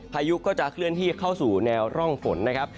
พายุก็จะเคลื่อนที่เข้าสู่แนวร่องฝนนะครับ